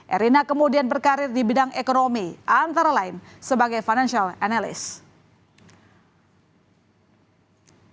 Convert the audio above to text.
erina kemudian berkarir di bidang ekonomi antara lain sebagai financial analyst